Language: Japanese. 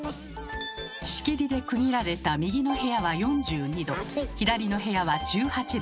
仕切りで区切られた右の部屋は４２℃左の部屋は１８℃。